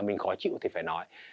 mình khó chịu thì phải nói